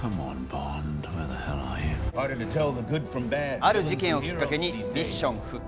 ある事件をきっかけにミッション復帰。